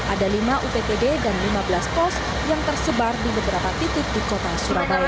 ada lima uppd dan lima belas pos yang tersebar di beberapa titik di kota surabaya